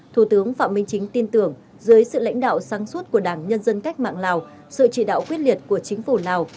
thủ tướng phạm minh chính tin tưởng dưới sự lãnh đạo sáng suốt của đảng nhân dân cách mạng lào sự chỉ đạo quyết liệt của chính phủ lào